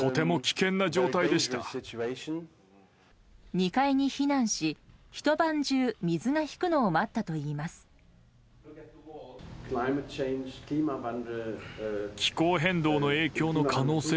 ２階に避難し、ひと晩中水が引くのを待ったといいます。